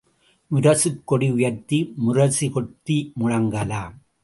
முரசுக் கொடி உயர்த்தி முரசு கொட்டி முழங்கலாம்.